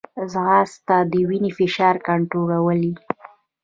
ځغاسته د وینې فشار کنټرولوي